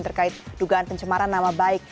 terkait dugaan pencemaran nama baik